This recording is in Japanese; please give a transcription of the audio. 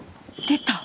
出た！